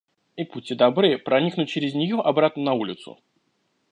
И будьте добры проникнуть через нее обратно на улицу.